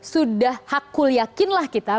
sudah hak kul yakinlah kita